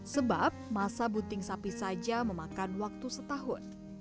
sebab masa bunting sapi saja memakan waktu setahun